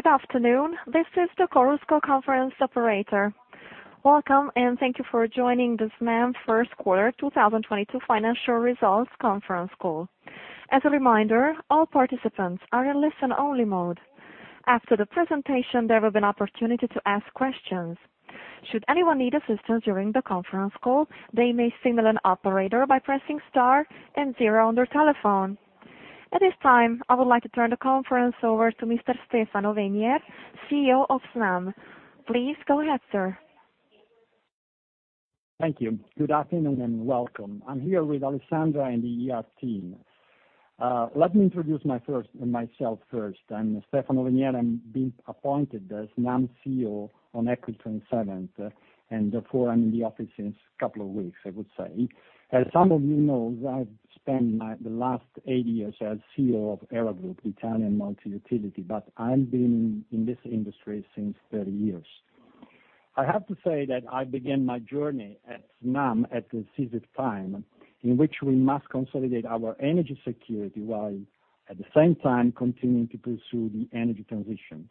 Good afternoon. This is the Chorus conference operator. Welcome, and thank you for joining the Snam first quarter 2022 financial results conference call. As a reminder, all participants are in listen-only mode. After the presentation, there will be an opportunity to ask questions. Should anyone need assistance during the conference call, they may signal an operator by pressing star and zero on their telephone. At this time, I would like to turn the conference over to Mr. Stefano Venier, CEO of Snam. Please go ahead, sir. Thank you. Good afternoon, and welcome. I'm here with Alessandra and the IR team. Let me introduce myself first. I'm Stefano Venier. I'm being appointed as Snam CEO on April 27th, and therefore, I'm in the office since a couple of weeks, I would say. As some of you know, I've spent my, the last eight years as CEO of Hera Group, Italian multi-utility, but I've been in this industry since 30 years. I have to say that I began my journey at Snam at a decisive time in which we must consolidate our energy security while at the same time continuing to pursue the energy transition.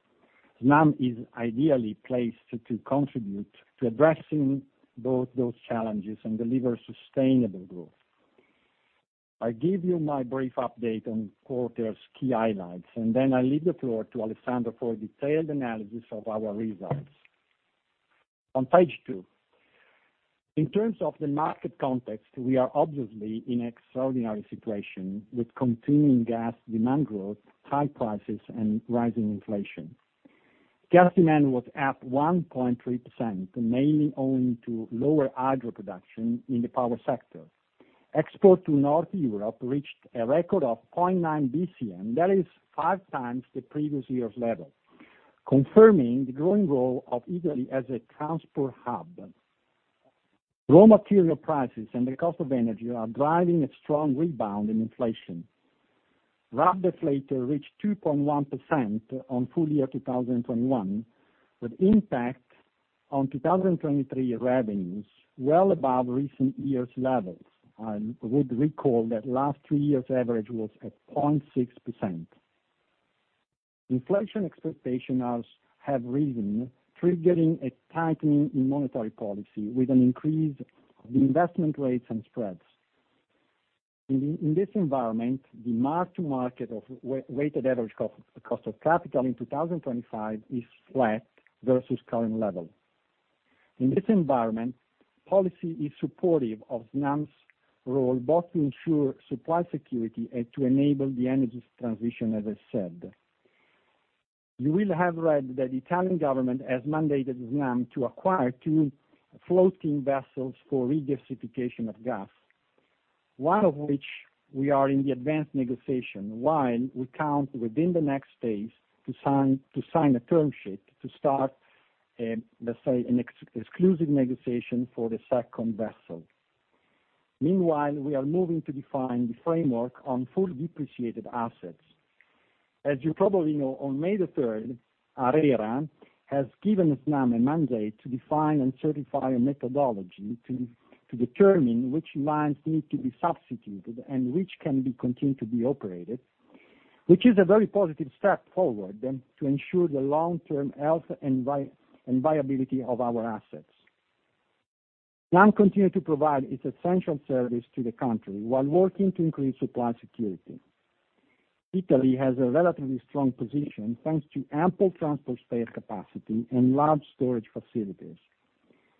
Snam is ideally placed to contribute to addressing both those challenges and deliver sustainable growth. I give you my brief update on quarter's key highlights, and then I leave the floor to Alessandra for a detailed analysis of our results. On page two. In terms of the market context, we are obviously in extraordinary situation with continuing gas demand growth, high prices, and rising inflation. Gas demand was up 1.3%, mainly owing to lower hydro production in the power sector. Export to North Europe reached a record of 0.9 BCM. That is five times the previous year's level, confirming the growing role of Italy as a transport hub. Raw material prices and the cost of energy are driving a strong rebound in inflation. RAB deflator reached 2.1% on full year 2021, with impact on 2023 revenues, well above recent years levels. We recall that last three years average was at 0.6%. Inflation expectations have risen, triggering a tightening in monetary policy with an increase of the interest rates and spreads. In this environment, the mark-to-market of WACC in 2025 is flat versus current level. In this environment, policy is supportive of Snam's role, both to ensure supply security and to enable the energy transition, as I said. You will have read that Italian government has mandated Snam to acquire two floating vessels for regasification of gas, one of which we are in the advanced negotiation. One, we expect within the next phase to sign a term sheet to start, let's say, an exclusive negotiation for the second vessel. Meanwhile, we are moving to define the framework on fully depreciated assets. As you probably know, on May 3rd, ARERA has given Snam a mandate to define and certify a methodology to determine which lines need to be substituted and which can be continued to be operated. Which is a very positive step forward then to ensure the long-term health and viability of our assets. Snam continue to provide its essential service to the country while working to increase supply security. Italy has a relatively strong position, thanks to ample transport spare capacity and large storage facilities.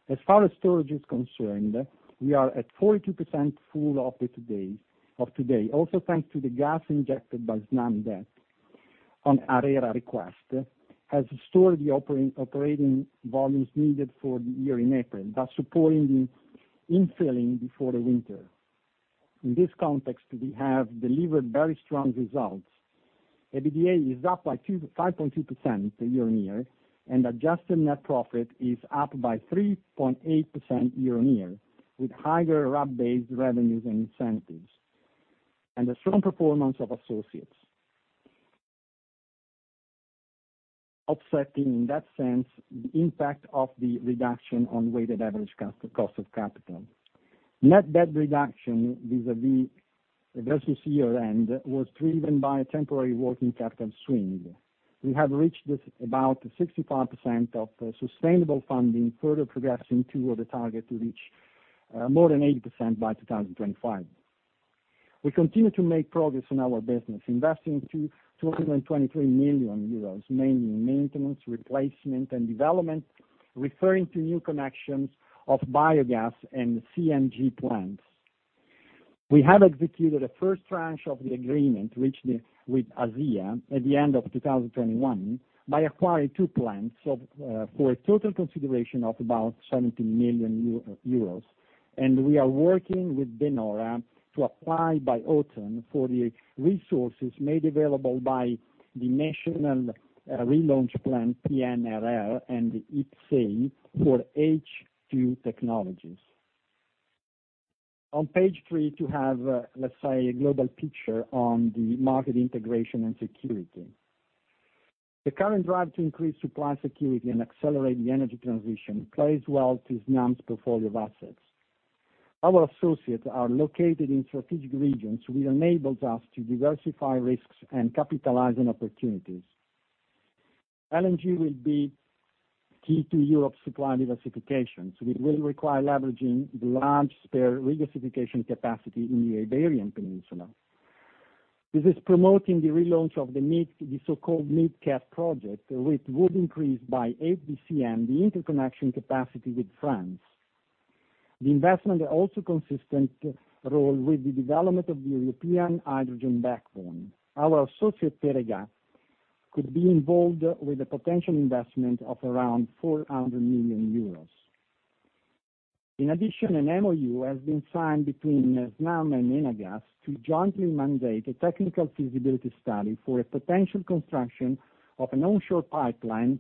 As far as storage is concerned, we are at 42% full today. Also, thanks to the gas injected by Snam that on ARERA request, has stored the operating volumes needed for the year in April, thus supporting the in-filling before the winter. In this context, we have delivered very strong results. EBITDA is up by 5.2% year-on-year, and adjusted net profit is up by 3.8% year-on-year, with higher RAB-based revenues and incentives, and the strong performance of associates. Offsetting, in that sense, the impact of the reduction on weighted average cost of capital. Net debt reduction vis-à-vis year-end was driven by a temporary working capital swing. We have reached about 65% of sustainable funding, further progressing toward the target to reach more than 80% by 2025. We continue to make progress in our business, investing 23 million euros, mainly in maintenance, replacement, and development, referring to new connections of biogas and CNG plants. We have executed a first tranche of the agreement reached with A2A at the end of 2021 by acquiring two plants for a total consideration of about 17 million euros, and we are working with De Nora to apply by autumn for the resources made available by the national relaunch plan, PNRR, and IPCEI for H2 technologies. On page three, to have, let's say, a global picture on the market integration and security. The current drive to increase supply security and accelerate the energy transition plays well to Snam's portfolio of assets. Our associates are located in strategic regions, which enables us to diversify risks and capitalize on opportunities. LNG will be key to Europe supply diversification, so it will require leveraging the large spare regasification capacity in the Iberian Peninsula. This is promoting the relaunch of the MidCat, the so-called MidCat project, which would increase by 8 BCM, the interconnection capacity with France. The investment is also consistent role with the development of the European hydrogen backbone. Our associate, Teréga, could be involved with a potential investment of around 400 million euros. In addition, an MOU has been signed between Snam and Enagás to jointly mandate a technical feasibility study for a potential construction of an onshore pipeline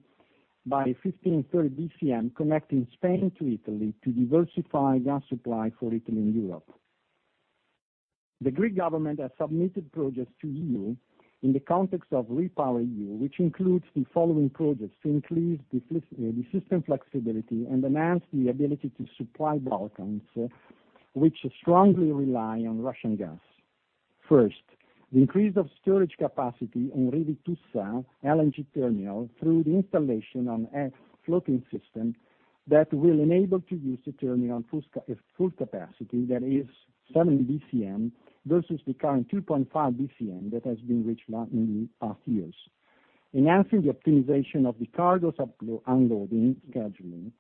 of 15-30 BCM, connecting Spain to Italy to diversify gas supply for Italy and Europe. The Greek government has submitted projects to the EU in the context of REPowerEU, which includes the following projects to increase the system flexibility and enhance the ability to supply the Balkans, which strongly rely on Russian gas. First, the increase of storage capacity in Revithoussa LNG Terminal through the installation on a floating system that will enable to use the terminal at full capacity. That is 70 BCM versus the current 2.5 BCM that has been reached in the past years, enhancing the optimization of the cargo's unloading scheduling.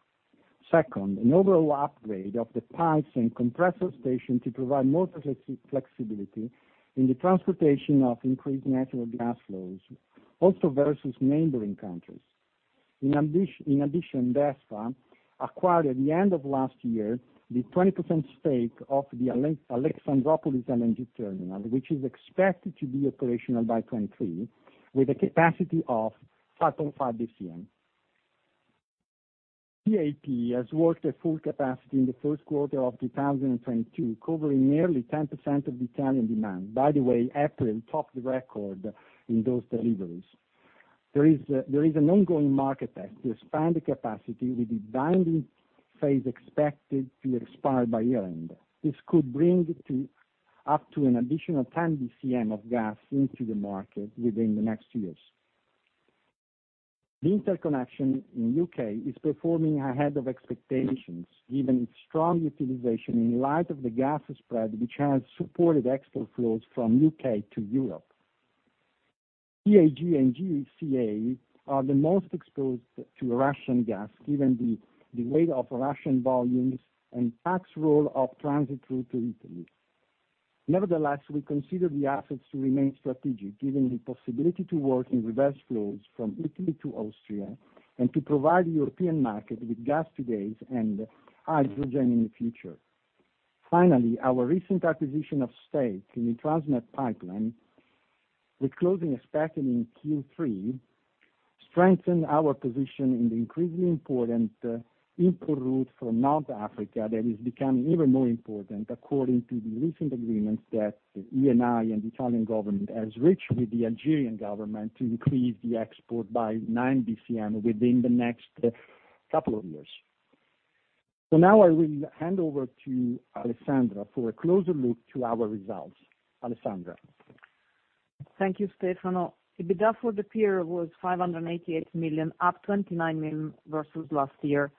Second, an overall upgrade of the pipes and compressor station to provide more flexibility in the transportation of increased natural gas flows, also versus neighboring countries. In addition, DESFA acquired at the end of last year the 20% stake of the Alexandroupolis LNG Terminal, which is expected to be operational by 2023, with a capacity of 5.5 BCM. TAP has worked at full capacity in the first quarter of 2022, covering nearly 10% of Italian demand. By the way, April topped the record in those deliveries. There is an ongoing market test to expand the capacity with the binding phase expected to expire by year-end. This could bring up to an additional 10 BCM of gas into the market within the next years. The Interconnector UK is performing ahead of expectations, given its strong utilization in light of the gas spread, which has supported export flows from U.K. to Europe. TAG and GCA are the most exposed to Russian gas, given the weight of Russian volumes and key role of transit route to Italy. Nevertheless, we consider the assets to remain strategic, given the possibility to work in reverse flows from Italy to Austria and to provide the European market with gas today and hydrogen in the future. Finally, our recent acquisition of stake in the Transmed pipeline, with closing expected in Q3, strengthen our position in the increasingly important import route from North Africa that is becoming even more important according to the recent agreements that Eni and Italian government has reached with the Algerian government to increase the export by 9 BCM within the next couple of years. Now I will hand over to Alessandra for a closer look to our results. Alessandra? Thank you, Stefano. EBITDA for the period was 588 million, up 29 million versus last year.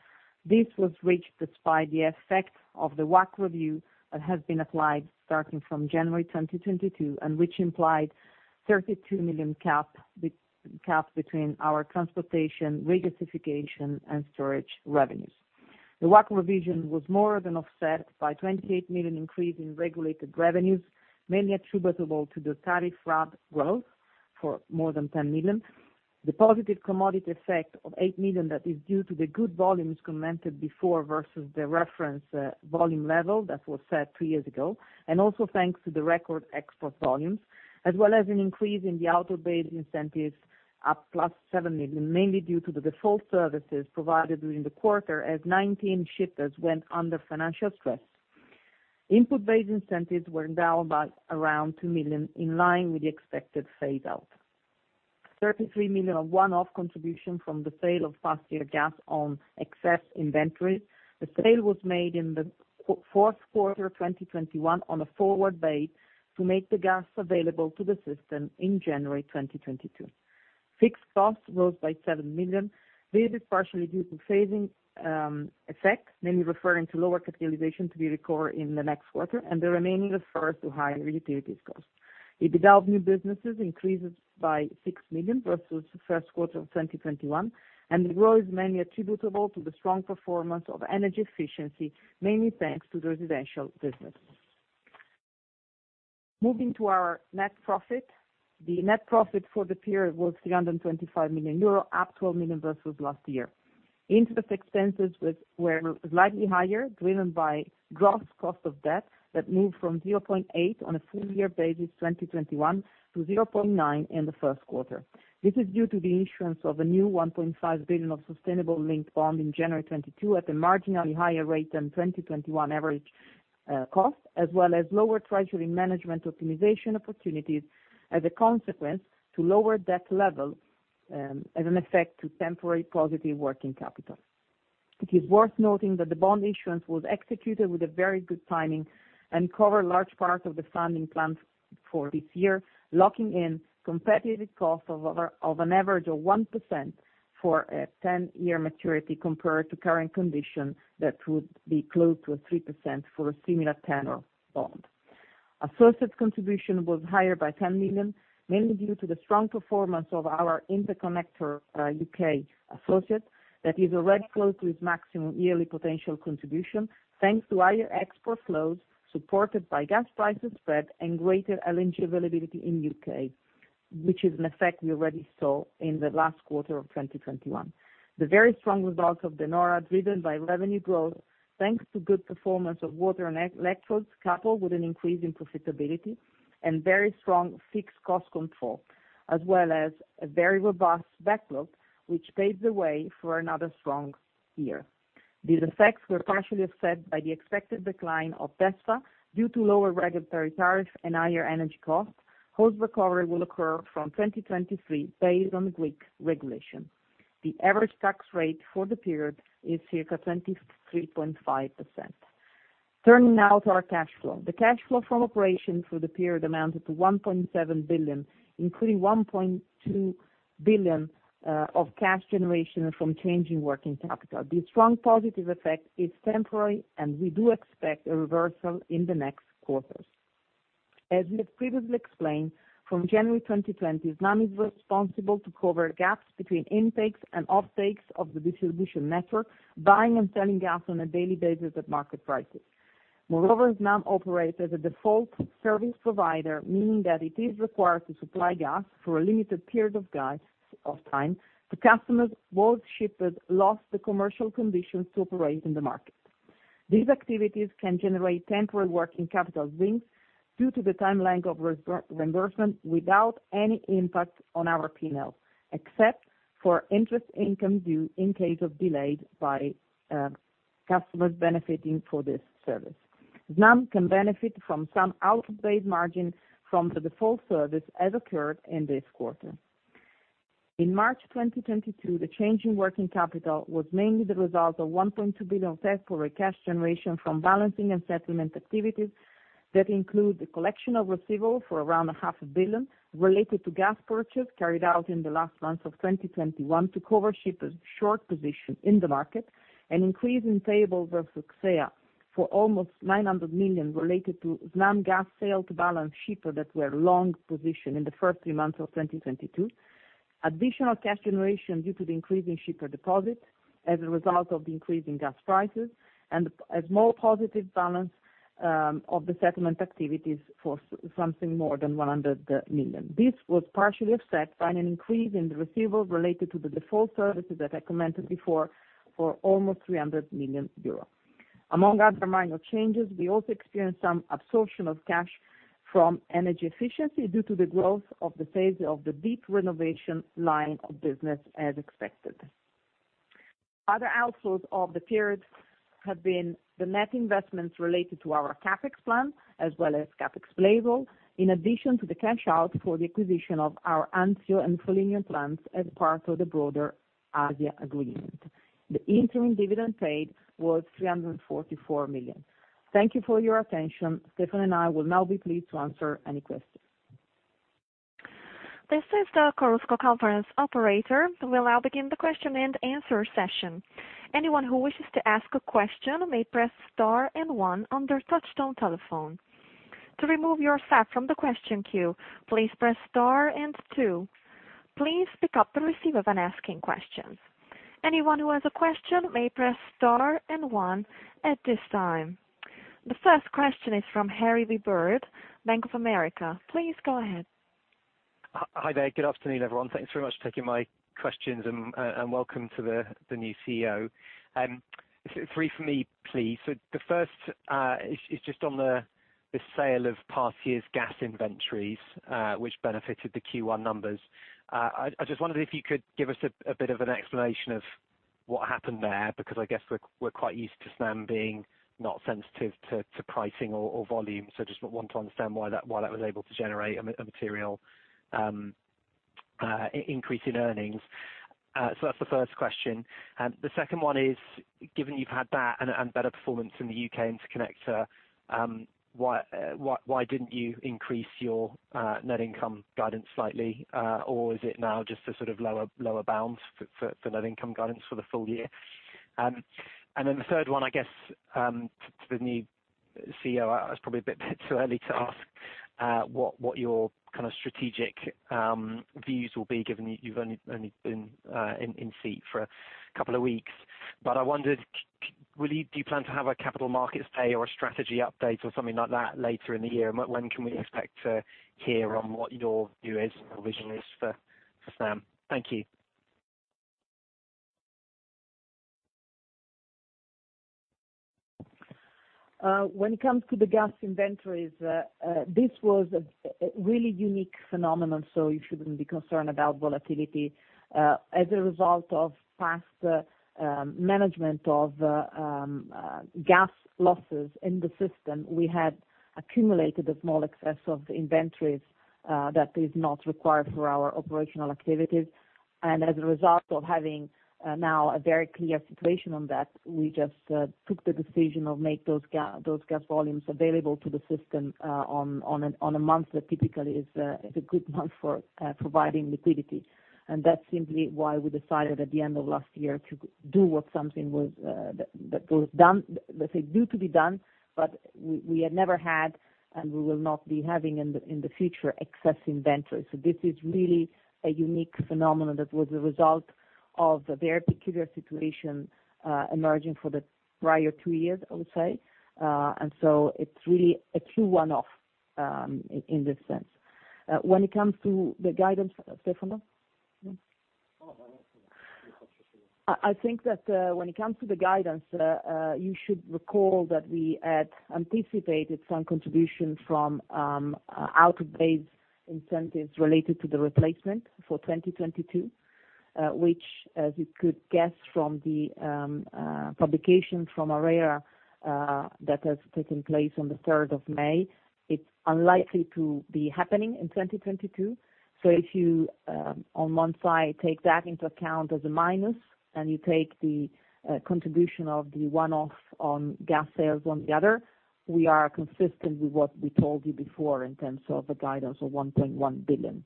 This was reached despite the effect of the WACC review that has been applied starting from January 2022, and which implied 32 million CapEx between our transportation, regasification, and storage revenues. The WACC revision was more than offset by 28 million increase in regulated revenues, mainly attributable to the tariff RAB growth for more than 10 million. The positive commodity effect of 8 million that is due to the good volumes commented before versus the reference volume level that was set three years ago, and also thanks to the record export volumes, as well as an increase in the output-based incentives, up plus 7 million, mainly due to the default services provided during the quarter as 19 shippers went under financial stress. Input-based incentives were down by around 2 million, in line with the expected fade out. 33 million of one-off contribution from the sale of past year gas on excess inventory. The sale was made in the Q4 2021 on a forward basis to make the gas available to the system in January 2022. Fixed costs rose by 7 million. This is partially due to phasing effects, mainly referring to lower capitalization to be recorded in the next quarter and the remaining referred to higher utilities cost. EBITDA of new businesses increases by 6 million versus first quarter of 2021, and the growth is mainly attributable to the strong performance of energy efficiency, mainly thanks to the residential business. Moving to our net profit. The net profit for the period was 325 million euro, up 12 million versus last year. Interest expenses were slightly higher, driven by gross cost of debt that moved from 0.8% on a full-year basis 2021 to 0.9% in the first quarter. This is due to the issuance of a new 1.5 billion sustainable linked bond in January 2022 at a marginally higher rate than 2021 average cost, as well as lower treasury management optimization opportunities as a consequence to lower debt levels, as an effect to temporary positive working capital. It is worth noting that the bond issuance was executed with a very good timing and cover large part of the funding plans for this year, locking in competitive costs of an average of 1% for a 10-year maturity compared to current condition that would be close to a 3% for a similar tenor bond. Associates' contribution was higher by 10 million, mainly due to the strong performance of our Interconnector UK associate that is already close to its maximum yearly potential contribution, thanks to higher export flows supported by gas prices spread and greater LNG availability in U.K., which is an effect we already saw in the last quarter of 2021. The very strong results of De Nora, driven by revenue growth, thanks to good performance of water and electrodes, coupled with an increase in profitability and very strong fixed cost control, as well as a very robust backlog, which paves the way for another strong year. These effects were partially offset by the expected decline of DESFA due to lower regulatory tariff and higher energy costs, whose recovery will occur from 2023 based on the Greek regulation. The average tax rate for the period is circa 23.5%. Turning now to our cash flow. The cash flow from operations for the period amounted to 1.7 billion, including 1.2 billion of cash generation from changing working capital. This strong positive effect is temporary, and we do expect a reversal in the next quarters. As we have previously explained, from January 2020, Snam is responsible to cover gaps between intakes and outtakes of the distribution network, buying and selling gas on a daily basis at market prices. Moreover, Snam operates as a default service provider, meaning that it is required to supply gas for a limited period of time to customers whose shippers lost the commercial conditions to operate in the market. These activities can generate temporary working capital wins due to the timeline of reimbursement without any impact on our P&L, except for interest income due in case of delayed by customers benefiting from this service. Snam can benefit from some output of base margin from the default service as occurred in this quarter. In March 2022, the change in working capital was mainly the result of 1.2 billion favorable cash generation from balancing and settlement activities that include the collection of receivables for around half a billion EUR related to gas purchase carried out in the last months of 2021 to cover shippers' short position in the market, an increase in payables of services for almost 900 million related to Snam gas sale to balance shipper that were long position in the first three months of 2022. Additional cash generation due to the increase in shipper deposits as a result of the increase in gas prices and a small positive balance of the settlement activities for something more than 100 million. This was partially offset by an increase in the receivables related to the default services that I commented before for almost 300 million euros. Among other minor changes, we also experienced some absorption of cash from energy efficiency due to the growth of the phase of the deep renovation line of business as expected. Other outflows of the period have been the net investments related to our CapEx plan, as well as CapEx-related, in addition to the cash out for the acquisition of our Anzio and Polignano plants as part of the broader A2A agreement. The interim dividend paid was 344 million. Thank you for your attention. Stefano and I will now be pleased to answer any questions. This is the Chorus Call operator. We will now begin the question and answer session. Anyone who wishes to ask a question may press star and one on their touchtone telephone. To remove yourself from the question queue, please press star and two. Please pick up the receiver when asking questions. Anyone who has a question may press star and one at this time. The first question is from Harry Wyburd, Bank of America. Please go ahead. Hi there. Good afternoon, everyone. Thanks very much for taking my questions and welcome to the new CEO. Three for me, please. The first is just on the sale of last year's gas inventories, which benefited the Q1 numbers. I just wondered if you could give us a bit of an explanation of what happened there, because I guess we're quite used to Snam being not sensitive to pricing or volume. I just want to understand why that was able to generate a material increase in earnings. That's the first question. The second one is, given you've had that and better performance in the Interconnector UK, why didn't you increase your net income guidance slightly? Is it now just a sort of lower bound for net income guidance for the full year? The third one, I guess, to the new CEO, it's probably a bit too early to ask what your kind of strategic views will be given you've only been in seat for a couple of weeks. Do you plan to have a capital markets day or a strategy update or something like that later in the year? When can we expect to hear on what your view is or vision is for Snam? Thank you. When it comes to the gas inventories, this was a really unique phenomenon, so you shouldn't be concerned about volatility. As a result of past management of gas losses in the system, we had accumulated a small excess of the inventories that is not required for our operational activities. As a result of having now a very clear situation on that, we just took the decision of make those gas volumes available to the system, on a month that typically is a good month for providing liquidity. That's simply why we decided at the end of last year to do what had to be done, let's say, but we had never had, and we will not be having in the future, excess inventory. This is really a unique phenomenon that was a result of the very peculiar situation emerging for the prior two years, I would say. It's really a true one-off in this sense. When it comes to the guidance, Stefano? Oh, no. I think that when it comes to the guidance, you should recall that we had anticipated some contribution from out-of-base incentives related to the replacement for 2022, which, as you could guess from the publication from ARERA, that has taken place on the third of May, it's unlikely to be happening in 2022. If you, on one side, take that into account as a minus, and you take the contribution of the one-off on gas sales on the other, we are consistent with what we told you before in terms of the guidance of 1.1 billion.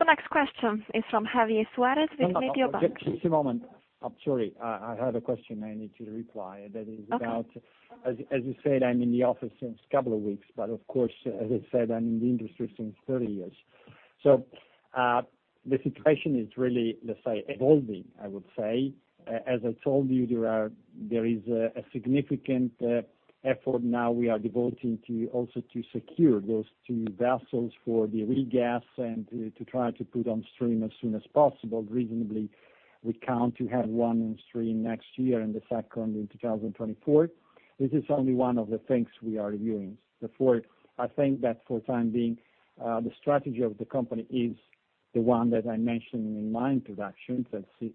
The next question is from Javier Suarez with Mediobanca. No. Just a moment. I'm sorry. I have a question I need to reply, and that is about. Okay. As you said, I'm in the office since a couple of weeks, but of course, as I said, I'm in the industry since 30 years. The situation is really, let's say, evolving, I would say. As I told you, there is a significant effort now we are devoting to, also to secure those two vessels for the regas and to try to put on stream as soon as possible. Reasonably, we count to have one on stream next year and the second in 2024. This is only one of the things we are reviewing. Therefore, I think that for time being, the strategy of the company is the one that I mentioned in my introduction,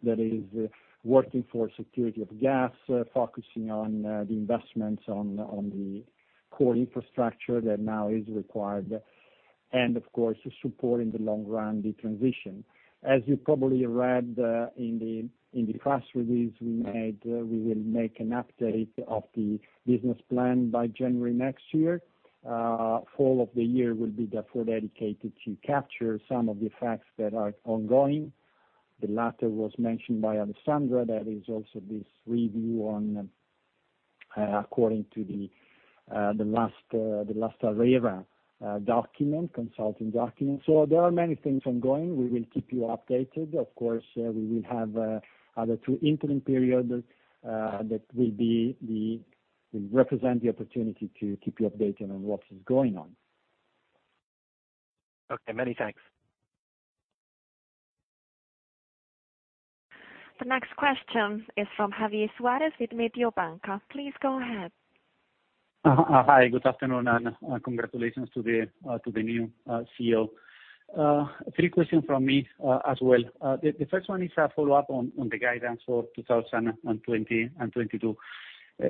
that is working for security of gas, focusing on the investments on the core infrastructure that now is required, and of course, supporting the long run, the transition. As you probably read in the press release we made, we will make an update of the business plan by January next year. Fall of the year will be therefore dedicated to capture some of the effects that are ongoing. The latter was mentioned by Alessandra, that is also this review on according to the last ARERA document, consulting document. There are many things ongoing. We will keep you updated. Of course, we will have other two interim periods that will represent the opportunity to keep you updated on what is going on. Okay. Many thanks. The next question is from Javier Suarez with Mediobanca. Please go ahead. Hi, good afternoon, and congratulations to the new CEO. Three questions from me, as well. The first one is a follow-up on the guidance for 2020 and 2022.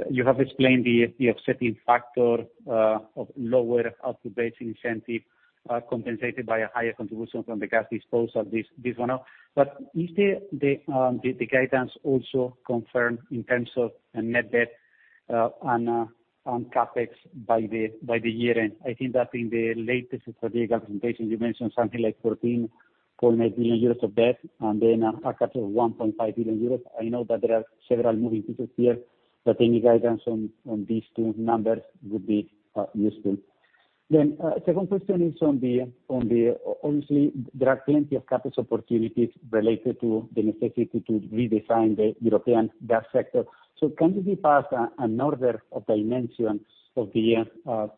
You have explained the offsetting factor of lower out-of-base incentive compensated by a higher contribution from the gas disposal, this one-off. Is the guidance also confirmed in terms of net debt and on CapEx by the year-end? I think that in the latest strategic presentation, you mentioned something like 14.8 billion euros of debt, and then a CapEx of 1.5 billion euros. I know that there are several moving pieces here, but any guidance on these two numbers would be useful. Second question is on the obviously there are plenty of CapEx opportunities related to the necessity to redesign the European gas sector. Can you give us an order of dimension of the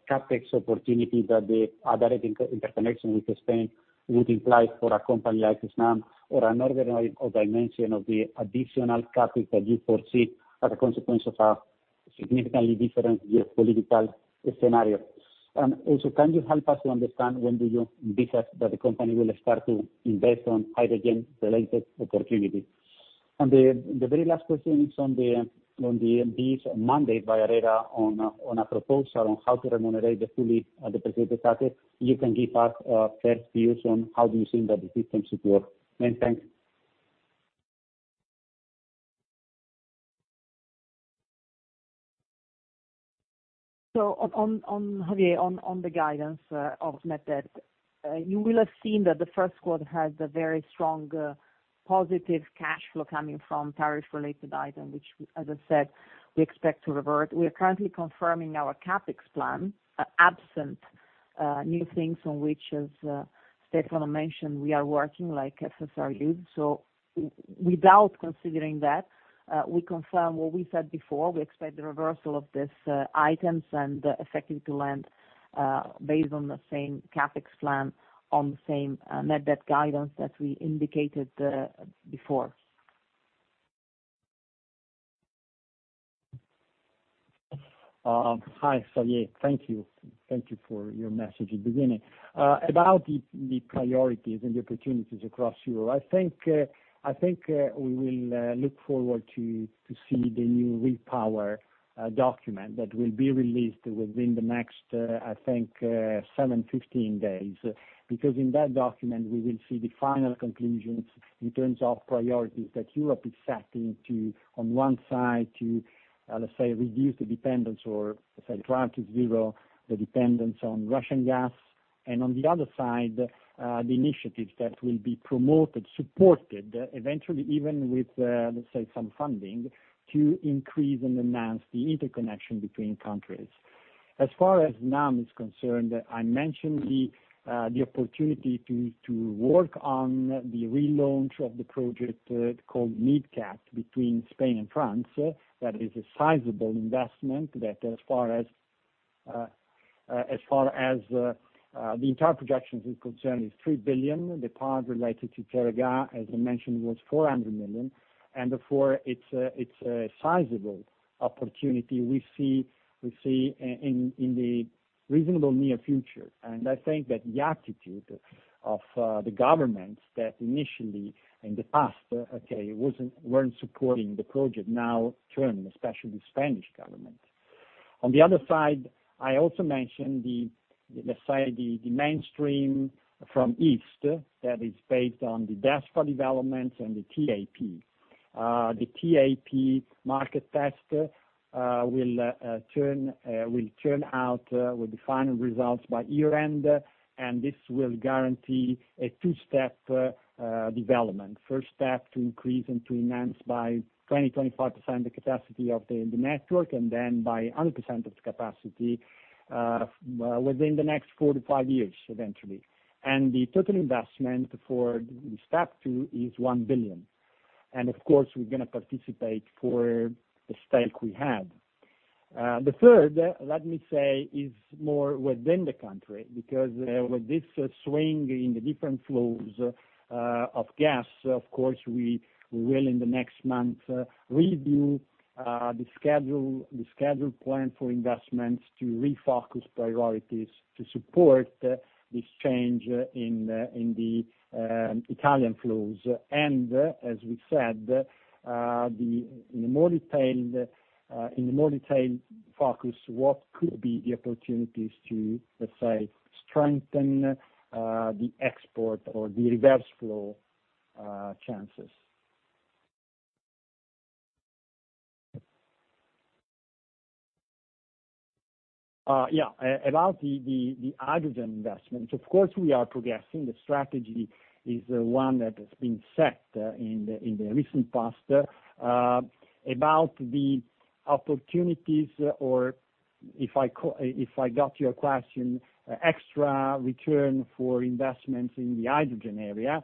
CapEx opportunity that the other interconnection with Spain would imply for a company like Snam or an order of dimension of the additional CapEx that you foresee as a consequence of a significantly different geopolitical scenario? Also, can you help us to understand when do you envisage that the company will start to invest on hydrogen-related opportunities? The very last question is on this Monday by ARERA on a proposal on how to remunerate the fully the Javier, on the guidance of net debt, you will have seen that the first quarter had a very strong positive cash flow coming from tariff-related item, which we, as I said, expect to revert. We are currently confirming our CapEx plan absent new things on which, as Stefano mentioned, we are working, like FSRU. Without considering that, we confirm what we said before. We expect the reversal of these items and effectively land based on the same CapEx plan, on the same net debt guidance that we indicated before. Hi, Javier. Thank you for your message at the beginning. About the priorities and the opportunities across Europe, I think we will look forward to see the new REPowerEU document that will be released within the next seven-15 days. Because in that document, we will see the final conclusions in terms of priorities that Europe is setting, on one side, to let's say, reduce the dependence or, let's say, drive to zero the dependence on Russian gas. On the other side, the initiatives that will be promoted, supported, eventually, even with, let's say, some funding to increase and enhance the interconnection between countries. As far as Snam is concerned, I mentioned the opportunity to work on the relaunch of the project called MidCat between Spain and France. That is a sizable investment that as far as the entire project is concerned, is 3 billion. The part related to Teréga, as I mentioned, was 400 million. Therefore, it's a sizable opportunity we see in the reasonable near future. I think that the attitude of the governments that initially, in the past, weren't supporting the project now turning, especially the Spanish government. On the other side, I also mentioned the mainstream from east that is based on the DESFA developments and the TAP. The TAP market test will turn out with the final results by year-end, and this will guarantee a two-step development. First step, to increase and to enhance by 25% the capacity of the network, and then by 100% of capacity within the next four to five years eventually. The total investment for step two is 1 billion. Of course, we're gonna participate for the stake we have. The third, let me say, is more within the country, because with this swing in the different flows of gas, of course, we will in the next month review the scheduled plan for investments to refocus priorities to support this change in the Italian flows. As we said, the... In a more detailed focus, what could be the opportunities to, let's say, strengthen the export or the reverse flow chances. Yeah. About the hydrogen investment, of course, we are progressing. The strategy is one that has been set in the recent past. About the opportunities or if I got your question, extra return for investments in the hydrogen area,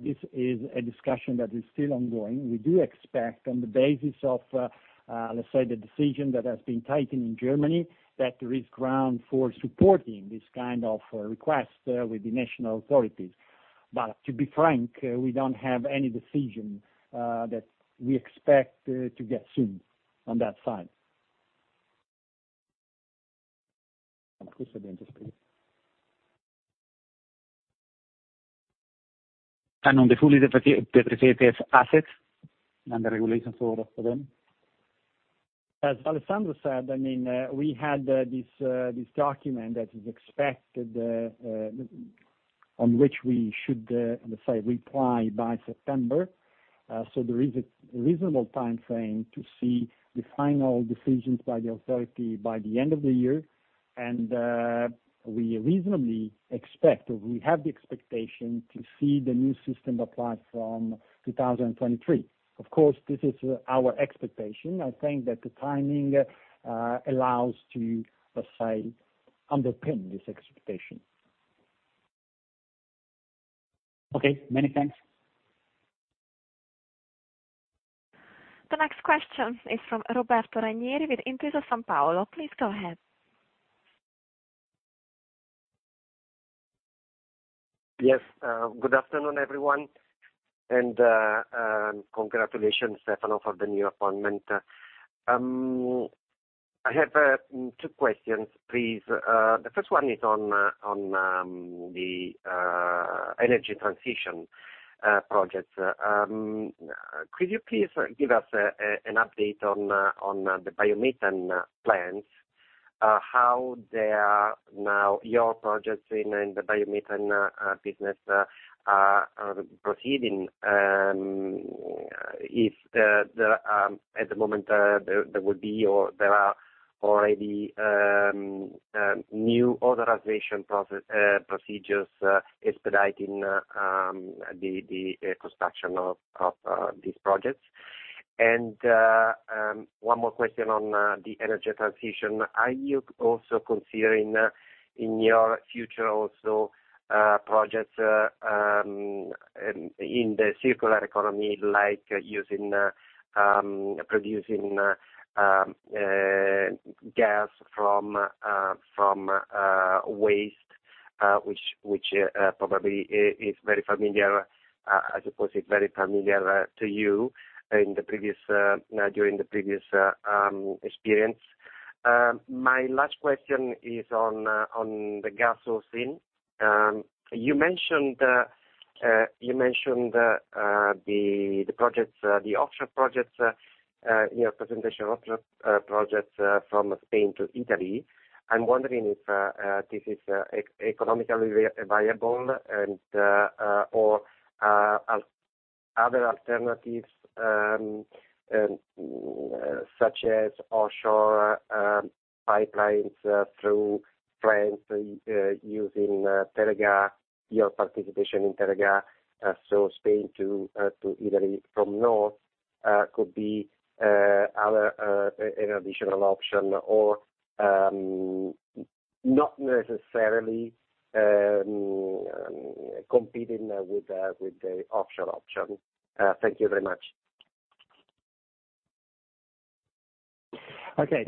this is a discussion that is still ongoing. We do expect on the basis of, let's say, the decision that has been taken in Germany, that there is ground for supporting this kind of request with the national authorities. To be frank, we don't have any decision that we expect to get soon on that side. On the fully depreciated assets and the regulations for them? As Alessandra said, I mean, we had this document that is expected, on which we should, let's say, reply by September. There is a reasonable timeframe to see the final decisions by the authority by the end of the year. We reasonably expect, or we have the expectation to see the new system applied from 2023. Of course, this is our expectation. I think that the timing allows to, let's say, underpin this expectation. Okay, many thanks. The next question is from Roberto Ranieri with Intesa Sanpaolo. Please go ahead. Yes, good afternoon, everyone. Congratulations, Stefano, for the new appointment. I have two questions, please. The first one is on the energy transition projects. Could you please give us an update on the biomethane plans, how they are now, your projects in the biomethane business are proceeding, if there, at the moment, there will be or there are already new authorization process procedures expediting the construction of these projects. One more question on the energy transition. Are you also considering in your future also projects in the circular economy like producing gas from waste? Which probably is very familiar, I suppose it's very familiar, to you during the previous experience. My last question is on the gas scene. You mentioned the offshore projects in your presentation, offshore projects from Spain to Italy. I'm wondering if this is economically viable, and/or other alternatives such as offshore pipelines through France using Teréga, your participation in Teréga, so Spain to Italy from north could be another additional option or not necessarily competing with the offshore option. Thank you very much. Okay.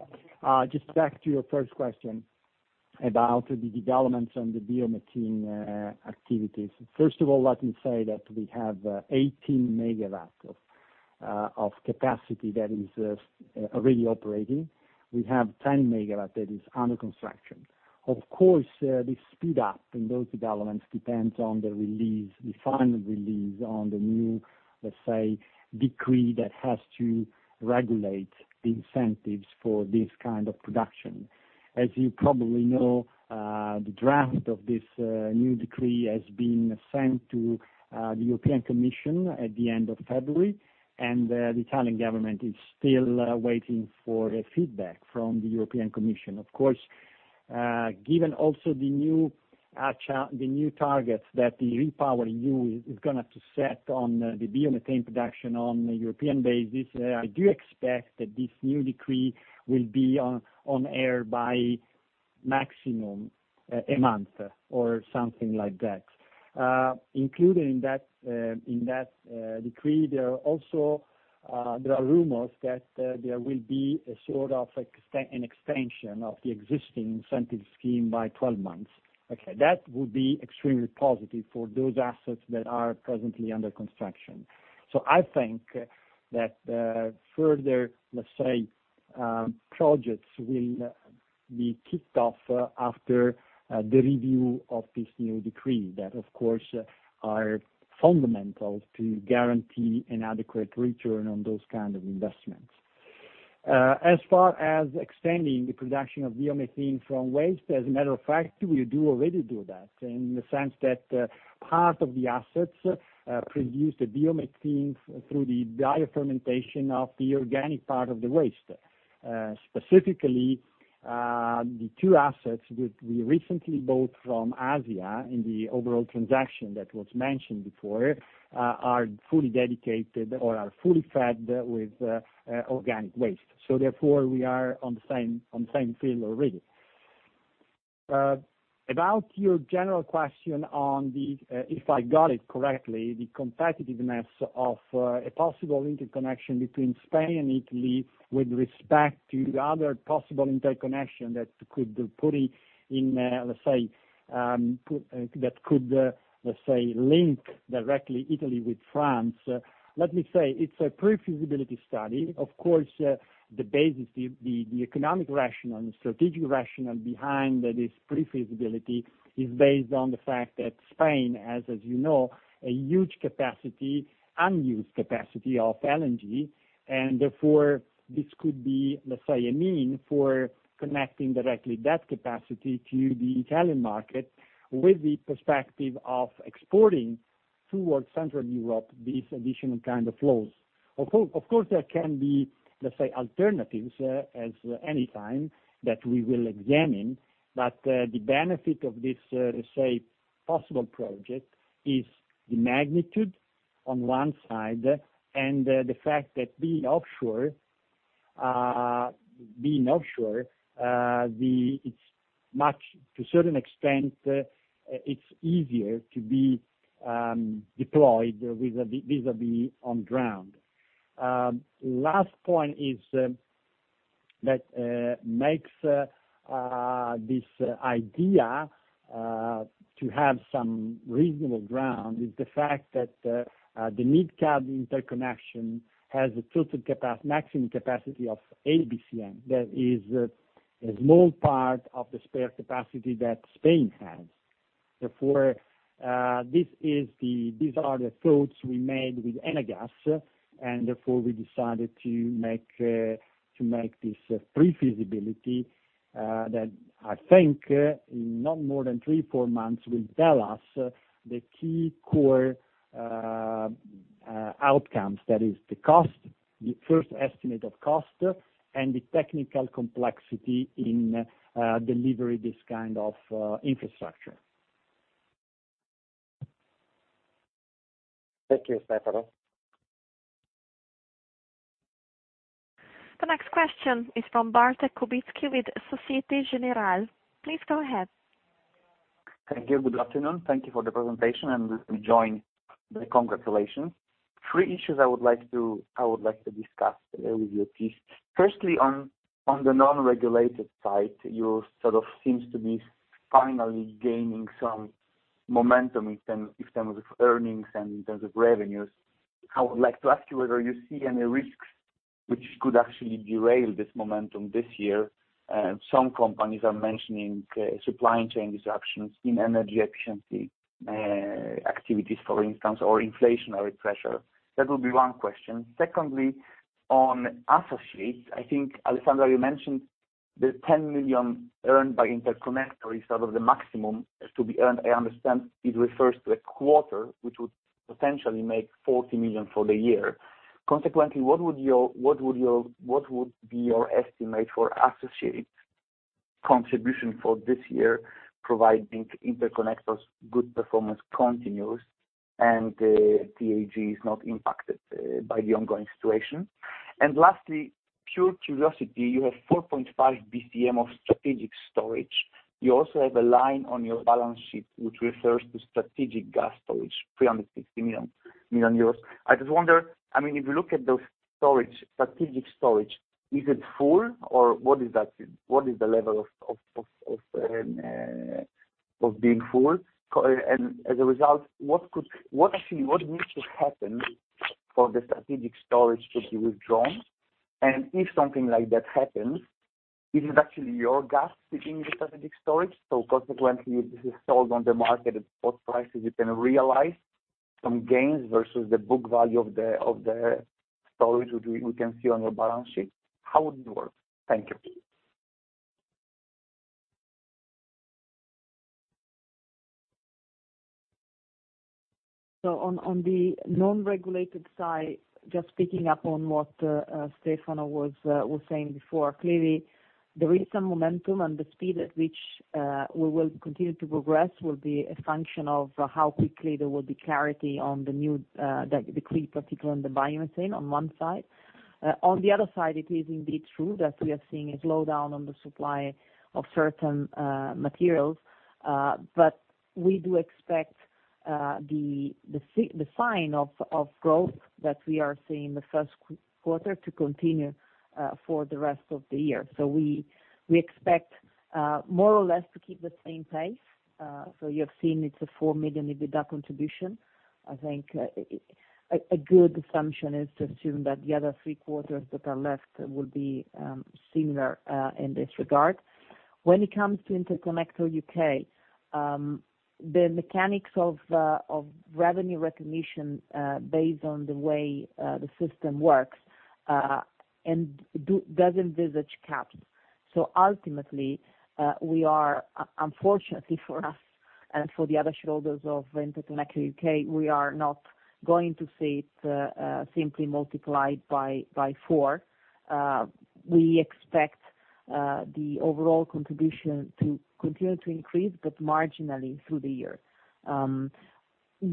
Just back to your first question about the developments on the biomethane activities. First of all, let me say that we have 18 megawatts of capacity that is already operating. We have 10 megawatts that is under construction. Of course, the speed up in those developments depends on the release, the final release on the new, let's say, decree that has to regulate the incentives for this kind of production. As you probably know, the draft of this new decree has been sent to the European Commission at the end of February, and the Italian government is still waiting for a feedback from the European Commission. Of course, given also the new targets that the REPowerEU is gonna set on the biomethane production on a European basis, I do expect that this new decree will be enacted by maximum a month or something like that. Including that, in that decree, there are rumors that there will be a sort of an extension of the existing incentive scheme by 12 months. Okay, that would be extremely positive for those assets that are presently under construction. I think that further projects will be kicked off after the review of this new decree that of course are fundamental to guarantee an adequate return on those kind of investments. As far as extending the production of biomethane from waste, as a matter of fact, we do already do that in the sense that part of the assets produce the biomethane through the dry fermentation of the organic part of the waste. Specifically, the two assets that we recently bought from A2A in the overall transaction that was mentioned before are fully dedicated or are fully fed with organic waste. Therefore, we are on the same field already. About your general question on the, if I got it correctly, the competitiveness of a possible interconnection between Spain and Italy with respect to the other possible interconnection that could, let's say, link directly Italy with France. Let me say it's a pre-feasibility study. Of course, the basis, the economic rationale and strategic rationale behind this pre-feasibility is based on the fact that Spain has, as you know, a huge capacity, unused capacity of LNG. Therefore, this could be, let's say, a mean for connecting directly that capacity to the Italian market with the perspective of exporting towards Central Europe, these additional kind of flows. Of course, there can be, let's say, alternatives, as any time that we will examine, but the benefit of this, say, possible project is the magnitude on one side and the fact that being offshore, it's much to a certain extent, it's easier to be deployed with the on ground. Last point is that makes this idea to have some reasonable ground is the fact that the MidCat interconnection has a total maximum capacity of a BCM. That is a small part of the spare capacity that Spain has. Therefore, these are the thoughts we made with Enagás, and therefore, we decided to make this pre-feasibility that I think in not more than three, four months will tell us the key core outcomes. That is the cost, the first estimate of cost, and the technical complexity in delivery this kind of infrastructure. Thank you, Stefano. The next question is from Bartlomiej Kubicki with Societe Generale. Please go ahead. Thank you. Good afternoon. Thank you for the presentation, and let me join the congratulations. Three issues I would like to discuss with you, please. Firstly, on the non-regulated side, you sort of seems to be finally gaining some momentum in terms of earnings and in terms of revenues. I would like to ask you whether you see any risks which could actually derail this momentum this year. Some companies are mentioning supply chain disruptions in energy efficiency activities, for instance, or inflationary pressure. That will be one question. Secondly, on associates, I think Alessandra mentioned the 10 million earned by Interconnector UK is sort of the maximum to be earned. I understand it refers to a quarter, which would potentially make 40 million for the year. Consequently, what would be your estimate for associates contribution for this year, providing Interconnector's good performance continues and TAG is not impacted by the ongoing situation? Lastly, pure curiosity, you have 4.5 BCM of strategic storage. You also have a line on your balance sheet which refers to strategic gas storage, 360 million euros. I just wonder, I mean, if you look at those storage, strategic storage, is it full or what is that? What is the level of being full? As a result, what actually needs to happen for the strategic storage to be withdrawn? If something like that happens, is it actually your gas sitting in the strategic storage? Consequently, if this is sold on the market at spot prices, you can realize some gains versus the book value of the storage, which we can see on your balance sheet. How would it work? Thank you. On the non-regulated side, just picking up on what Stefano was saying before, clearly there is some momentum, and the speed at which we will continue to progress will be a function of how quickly there will be clarity on the new decree, particularly on the biomethane on one side. On the other side, it is indeed true that we are seeing a slowdown on the supply of certain materials. We do expect the sign of growth that we are seeing in the first quarter to continue for the rest of the year. We expect more or less to keep the same pace. You have seen it's a 4 million EBITDA contribution. I think a good assumption is to assume that the other three quarters that are left will be similar in this regard. When it comes to Interconnector UK, the mechanics of revenue recognition based on the way the system works and doesn't envisage capital. Ultimately, we are unfortunately for us and for the other shareholders of Interconnector UK, we are not going to see it simply multiplied by four. We expect the overall contribution to continue to increase, but marginally through the year.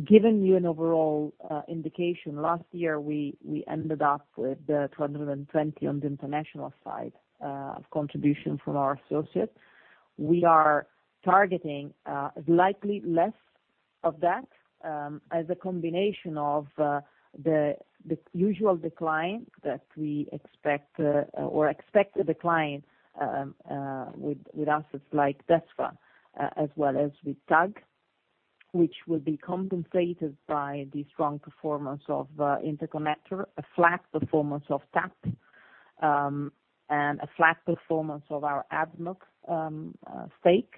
Giving you an overall indication, last year we ended up with 220 million on the international side of contribution from our associates. We are targeting likely less of that as a combination of the usual decline that we expect with assets like DESFA as well as with TAG, which will be compensated by the strong performance of Interconnector, a flat performance of TAP, and a flat performance of our ADNOC stake.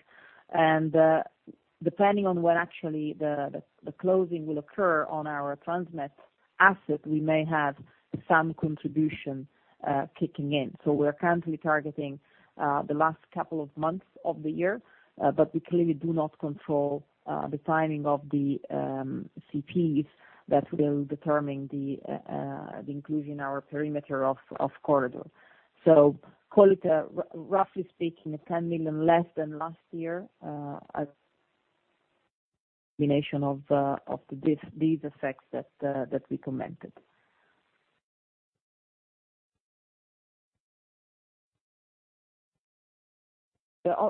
Depending on when actually the closing will occur on our Transmed asset, we may have some contribution kicking in. We are currently targeting the last couple of months of the year, but we clearly do not control the timing of the CPs that will determine the inclusion in our perimeter of corridor. Call it roughly speaking, 10 million less than last year, as combination of these effects that we commented.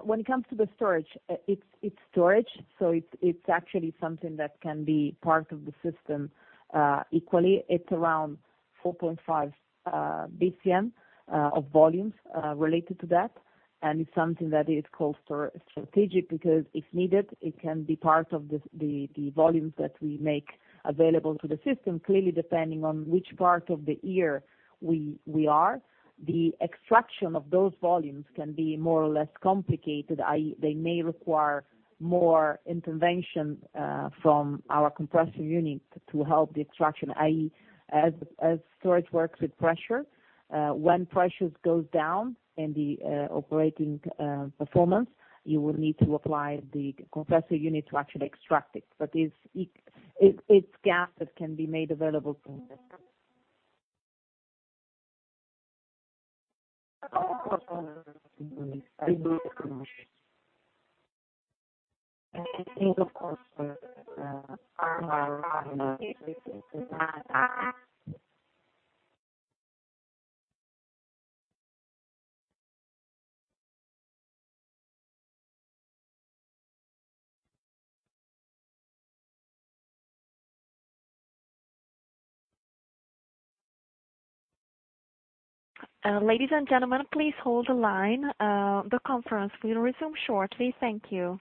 When it comes to the storage, it's storage, so it's actually something that can be part of the system. Equally, it's around 4.5 BCM of volumes related to that. It's something that is called strategic because if needed, it can be part of the volumes that we make available to the system. Clearly, depending on which part of the year we are, the extraction of those volumes can be more or less complicated, i.e. They may require more intervention from our compressor unit to help the extraction, i.e., as storage works with pressure, when pressures goes down in the operating performance, you will need to apply the compressor unit to actually extract it. But it's gas that can be made available to investors. Ladies and gentlemen, please hold the line. The conference will resume shortly. Thank you.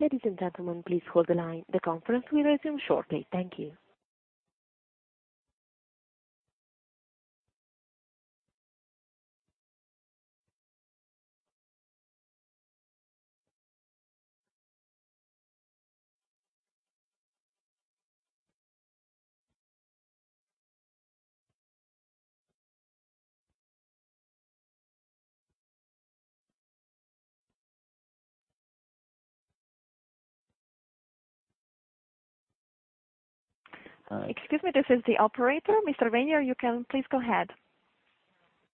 Ladies and gentlemen, please hold the line. The conference will resume shortly. Thank you. Uh- Excuse me. This is the operator. Mr. Venier, you can please go ahead.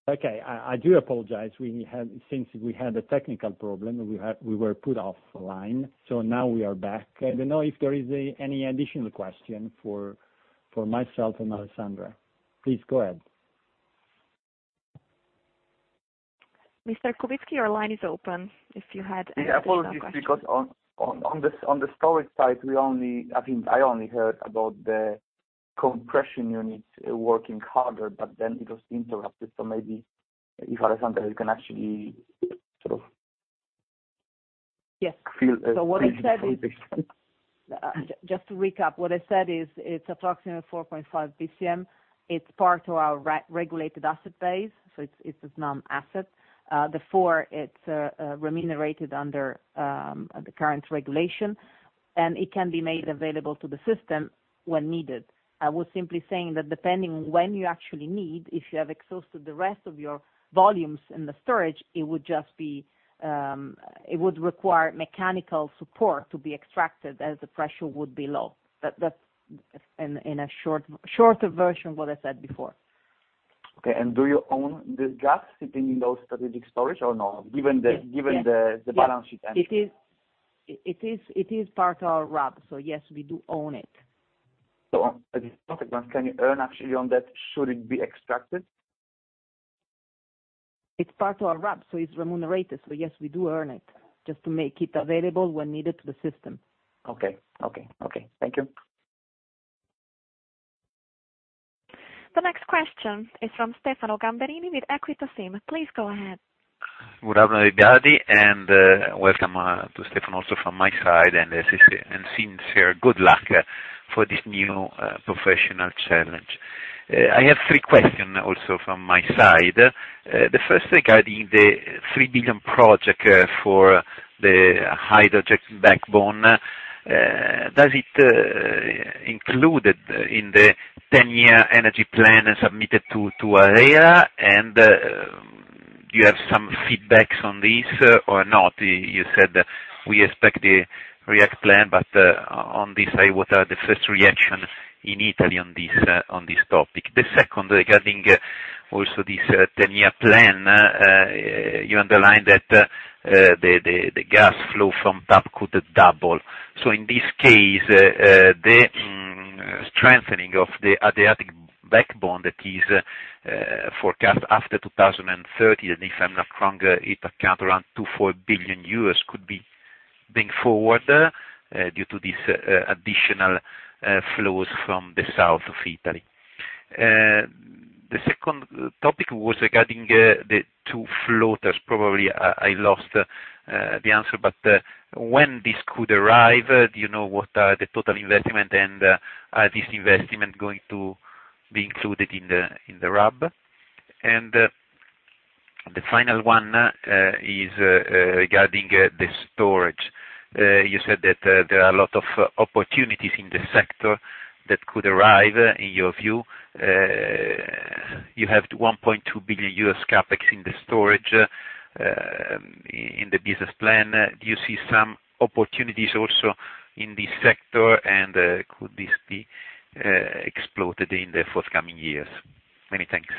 Okay. I do apologize. It seems we had a technical problem. We were put offline, so now we are back. I don't know if there is any additional question for myself and Alessandra. Please go ahead. Mr. Kubicki, your line is open if you had any additional question. Yeah, apologies, because on the storage side, we only. I think I only heard about the compression units working harder, but then it was interrupted. Maybe if Alessandra, you can actually sort of- Yes. Fill us in. What I said is, just to recap, what I said is it's approximately 4.5 BCM. It's part of our re-regulated asset base, so it's a non-asset. Therefore it's remunerated under the current regulation, and it can be made available to the system when needed. I was simply saying that depending when you actually need, if you have exhausted the rest of your volumes in the storage, it would just be, it would require mechanical support to be extracted as the pressure would be low. That's, in a shorter version, what I said before. Okay. Do you own this gas sitting in those strategic storage or no, given the? Yes. given the balance sheet entry? It is part of our RAB, so yes, we do own it. Just to confirm, can you earn actually on that should it be extracted? It's part of our RAB, so it's remunerated, so yes, we do earn it, just to make it available when needed to the system. Okay. Thank you. The next question is from Stefano Gamberini with Equita SIM. Please go ahead. Good afternoon, everybody, and welcome to Stefano also from my side, and sincere good luck for this new professional challenge. I have three question also from my side. The first regarding the 3 billion project for the hydrogen backbone, does it included in the ten-year energy plan submitted to ARERA, and do you have some feedbacks on this or not? You said we expect the react plan, but on this side, what are the first reaction in Italy on this on this topic? The second regarding also this ten-year plan, you underlined that the gas flow from TAP could double. In this case, the strengthening of the Adriatic backbone that is forecast after 2030, and if I'm not wrong, it account around 2.4 billion euros could be bring forward due to this additional flows from the south of Italy. The second topic was regarding the two floaters. Probably I lost the answer, but when this could arrive, do you know what are the total investment and are this investment going to be included in the RAB? The final one is regarding the storage. You said that there are a lot of opportunities in this sector that could arrive in your view. You have $1.2 billion CapEx in the storage in the business plan. Do you see some opportunities also in this sector and, could this be, exploited in the forthcoming years? Many thanks.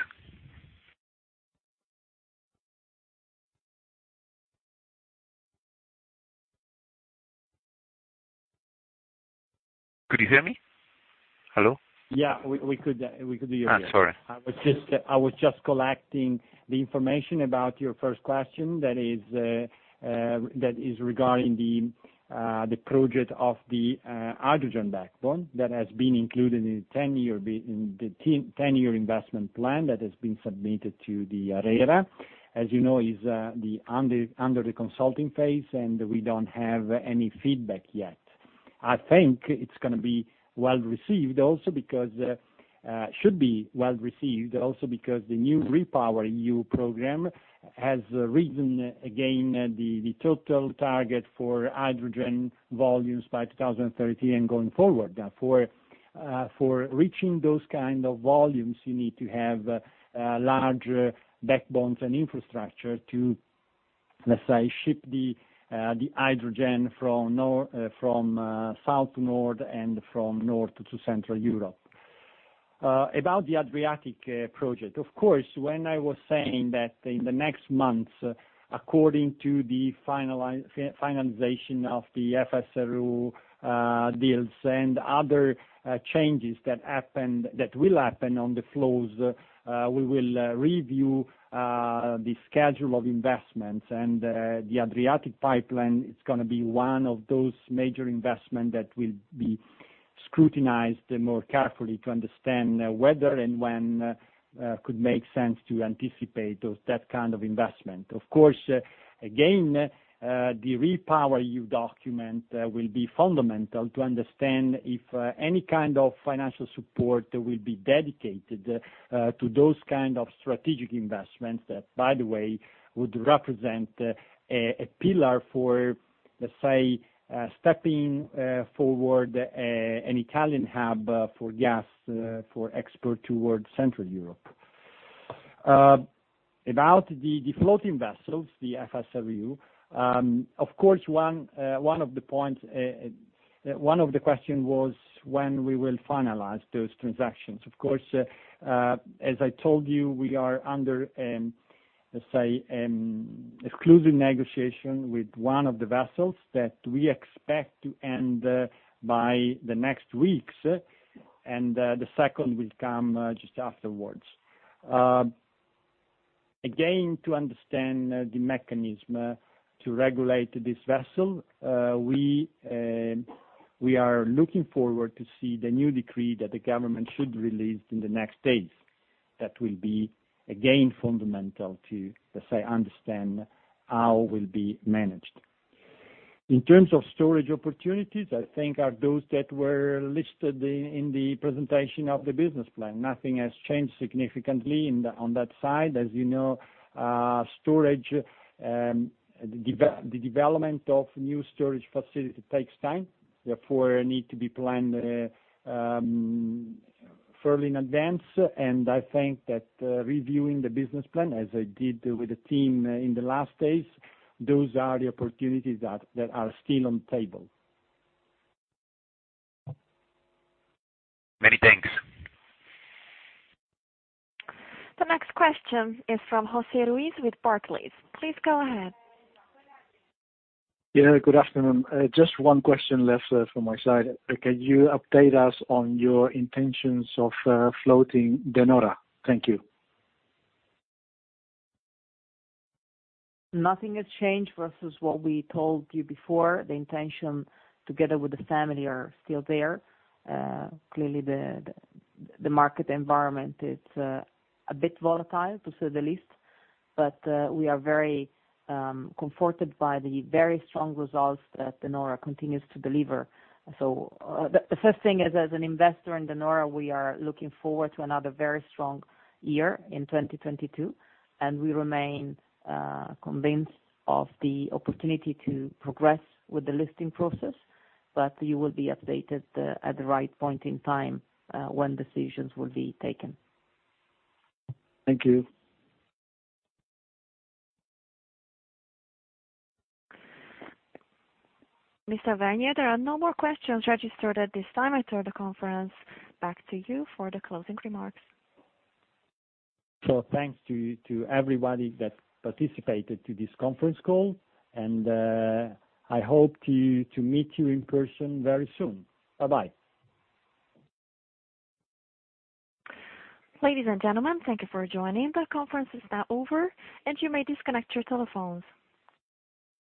Could you hear me? Hello? Yeah. We could hear you. Sorry. I was just collecting the information about your first question, that is, that is regarding the project of the hydrogen backbone that has been included in the 10-year investment plan that has been submitted to the ARERA. As you know, it's under the consulting phase, and we don't have any feedback yet. I think it's gonna be well received also because the new REPowerEU program has raised the total target for hydrogen volumes by 2030 and going forward. Now, for reaching those kind of volumes, you need to have large backbones and infrastructure to, let's say, ship the hydrogen from south to north and from north to central Europe. About the Adriatic project, of course, when I was saying that in the next months, according to the finalization of the FSRU deals and other changes that happened, that will happen on the flows, we will review the schedule of investments. The Adriatic pipeline is gonna be one of those major investment that will be scrutinized more carefully to understand whether and when could make sense to anticipate those, that kind of investment. Of course, again, the REPowerEU document will be fundamental to understand if any kind of financial support will be dedicated to those kind of strategic investments that, by the way, would represent a pillar for, let's say, stepping forward an Italian hub for gas for export towards Central Europe. About the floating vessels, the FSRU, of course, one of the points, one of the question was when we will finalize those transactions. Of course, as I told you, we are under, let's say, exclusive negotiation with one of the vessels that we expect to end by the next weeks, and the second will come just afterwards. Again, to understand the mechanism to regulate this vessel, we are looking forward to see the new decree that the government should release in the next days. That will be, again, fundamental to, let's say, understand how will be managed. In terms of storage opportunities, I think are those that were listed in the presentation of the business plan. Nothing has changed significantly on that side. As you know, storage, the development of new storage facility takes time, therefore need to be planned fairly in advance. I think that, reviewing the business plan as I did with the team, in the last days, those are the opportunities that are still on table. Many thanks. The next question is from Jose Ruiz with Barclays. Please go ahead. Yeah, good afternoon. Just one question left, from my side. Can you update us on your intentions of floating De Nora? Thank you. Nothing has changed versus what we told you before. The intention together with the family are still there. Clearly the market environment is a bit volatile, to say the least. We are very comforted by the very strong results that De Nora continues to deliver. The first thing is, as an investor in De Nora, we are looking forward to another very strong year in 2022, and we remain convinced of the opportunity to progress with the listing process. You will be updated at the right point in time when decisions will be taken. Thank you. Mr. Venier, there are no more questions registered at this time. I turn the conference back to you for the closing remarks. Thanks to everybody that participated to this conference call, and I hope to meet you in person very soon. Bye-bye. Ladies and gentlemen, thank you for joining. The conference is now over, and you may disconnect your telephones.